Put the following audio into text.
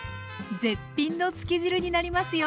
絶品のつけ汁になりますよ。